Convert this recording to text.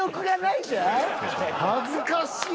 恥ずかしい。